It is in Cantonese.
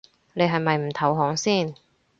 你係咪唔投降先